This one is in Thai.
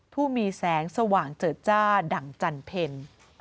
ผู้มีแสงสว่างเจิดจ้าดั่งจันเพล